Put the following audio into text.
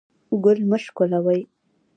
ګل مه شکولوئ